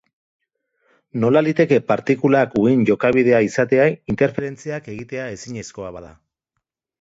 Nola liteke partikulak uhin jokabidea izatea interferentziak egitea ezinezkoa bada?